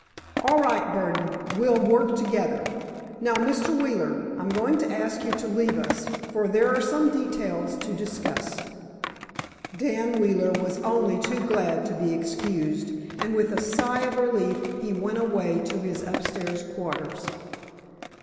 "All right, Burdon, we'll work together. Now, Mr. Wheeler, I'm going to ask you to leave us—for there are some details to discuss——" Dan Wheeler was only too glad to be excused, and with a sigh of relief he went away to his upstairs quarters.